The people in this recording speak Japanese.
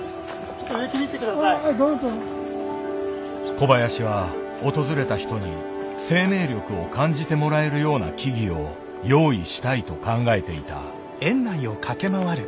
小林は訪れた人に生命力を感じてもらえるような木々を用意したいと考えていた。